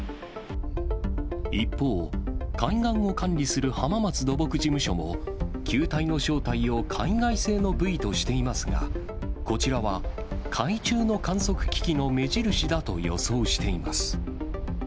一方、海岸を管理する浜松土木事務所も、球体の正体を海外製のブイとしていますが、こちらは海中の観測機器の目印だと予想しています。